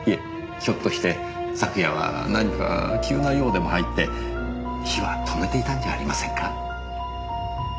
ひょっとして昨夜は何か急な用でも入って火は止めていたんじゃありませんか？